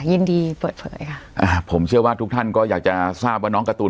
ยินดีเปิดเผยค่ะอ่าผมเชื่อว่าทุกท่านก็อยากจะทราบว่าน้องการ์ตูน